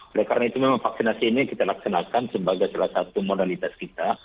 oleh karena itu memang vaksinasi ini kita laksanakan sebagai salah satu modalitas kita